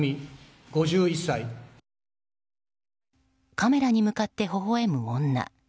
カメラに向かってほほ笑む女。